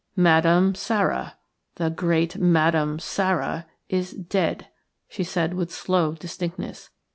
"Madame Sara, the great Madame Sara, is dead," she said, with slow distinctness.